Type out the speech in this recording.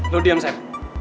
lo diam seb